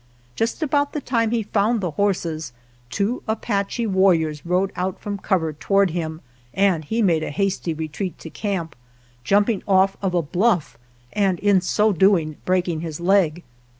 Just about the time he found his horses, two Apache warriors rode out from cover toward him and he made a hasty retreat to camp, jump ing off of a bluff and in so doing breaking his leg.